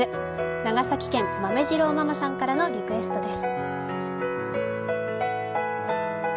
長崎県、豆次郎ママさんからのリクエストです。